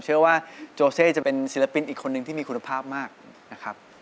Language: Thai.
เชื่อว่าโจเซ่จะเป็นศิลปินอีกคนนึงที่มีคุณภาพมากนะครับ